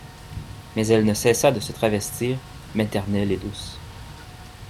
Mais elle ne cessa de se travestir, maternelle et douce.